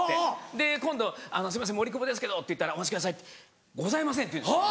で今度「すいません森久保ですけど」って言ったら「お待ちくださいございません」って言うんです。